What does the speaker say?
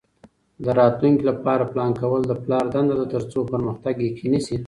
د راتلونکي لپاره پلان کول د پلار دنده ده ترڅو پرمختګ یقیني شي.